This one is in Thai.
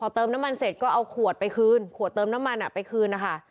เติมน้ำมันเสร็จก็เอาขวดไปคืนขวดเติมน้ำมันไปคืนนะคะ